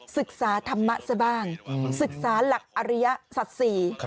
ศึกษาธรรมะซะบ้างศึกษาหลักอริยสัตว์ศรี